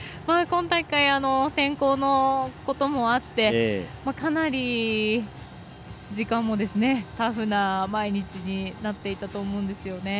そして、今大会は天候のこともあってかなり、時間もタフな毎日になっていたと思うんですよね。